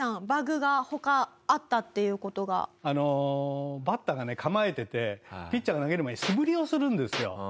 あのバッターが構えててピッチャーが投げる前に素振りをするんですよ。